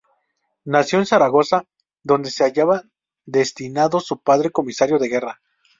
Nació en Zaragoza, donde se hallaba destinado su padre, comisario de guerra.